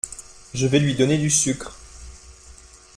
Je vais lui donner du sucre…